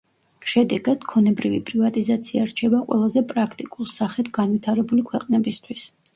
შედეგად, ქონებრივი პრივატიზაცია რჩება ყველაზე პრაქტიკულ სახედ განვითარებული ქვეყნებისთვის.